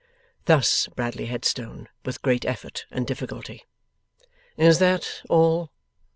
Thus Bradley Headstone, with great effort and difficulty. 'Is that all?